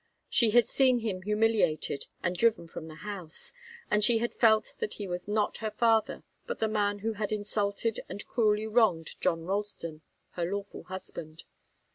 She had seen him humiliated and driven from the house, and she had felt that he was not her father, but the man who had insulted and cruelly wronged John Ralston, her lawful husband.